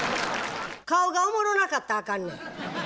顔がおもろなかったらあかんねや。